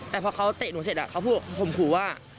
แต่พอเขาเตะหนูเสร็จเขาพูดข่มขู่ว่า